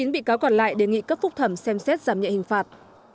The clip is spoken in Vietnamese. chín bị cáo còn lại đề nghị cấp phúc thẩm xem xét giảm nhẹ hình phạt